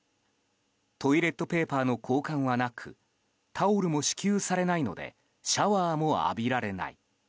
トイレットペーパーの交換はなくタオルも支給されないのでシャワーも浴びられない。